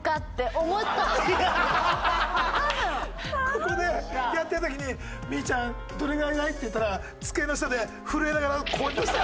ここでやってる時に「みぃちゃんどれぐらいだい？」って言ったら机の下で震えながらこうやって出した。